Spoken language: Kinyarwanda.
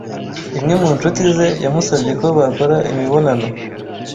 imwe mu nshuti ze yamusabye ko bakora imibonano